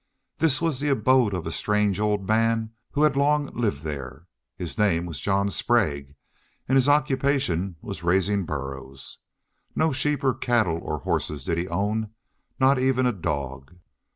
This was the abode of a strange old man who had long lived there. His name was John Sprague and his occupation was raising burros. No sheep or cattle or horses did he own, not even a dog.